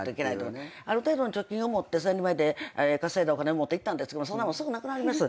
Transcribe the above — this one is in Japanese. ある程度の貯金を持って稼いだお金も持っていったんですけどそんなもんすぐなくなります。